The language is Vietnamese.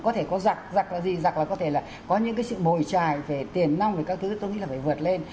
có thể có giặc là gì giặc là có thể là có những cái sự mồi trài về tiền năng về các thứ tôi nghĩ là phải vượt lên